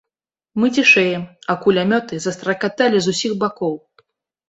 Мы цішэем, а кулямёты застракаталі з усіх бакоў.